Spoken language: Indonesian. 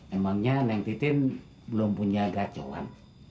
emangnya neng titin belum punya gacoran